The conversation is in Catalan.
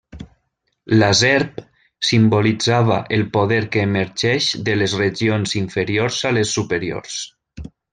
La serp simbolitzava el poder que emergeix de les regions inferiors a les superiors.